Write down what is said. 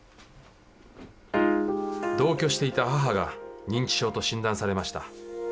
同居していた母が認知症と診断されました。